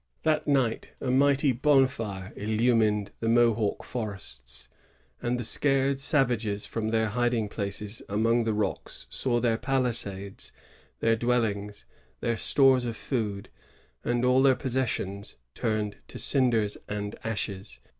^ That night a mighty bonfire illumined the Mohawk forests; and the scared savages from their hiding places among the rocks saw their palisades, their dwellings, their stores of food, and all their posses sions turned to cinders and ashes.